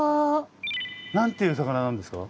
何ていう魚なんですか？